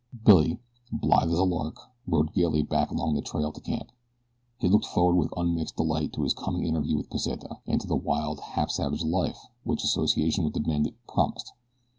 Billy, blithe as a lark, rode gaily back along the trail to camp. He looked forward with unmixed delight to his coming interview with Pesita, and to the wild, half savage life which association with the bandit promised.